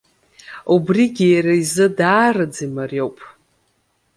Убригьы иара изы даараӡа имариоуп.